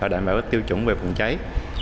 đảm bảo các tiêu chuẩn về phòng cháy